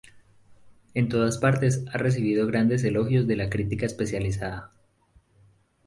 En todas partes ha recibido grandes elogios de la crítica especializada.